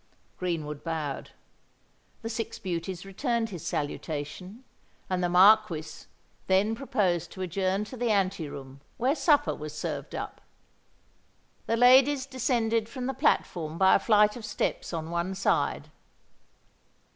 Greenwood bowed; the six beauties returned his salutation; and the Marquis then proposed to adjourn to the ante room, where supper was served up. The ladies descended from the platform by a flight of steps on one side.